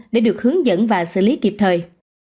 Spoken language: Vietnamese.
để được hướng dẫn và xử lý kịp thời